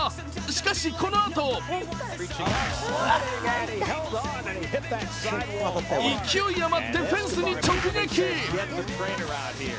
しかし、このあと勢いあまってフェンスに直撃。